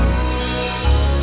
ngerti semuanya ya